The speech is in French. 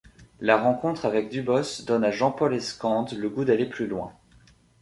La rencontre avec Dubos donne à Jean-Paul Escande le goût d'aller plus loin.